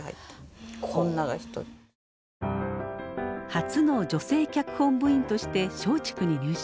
初の女性脚本部員として松竹に入社。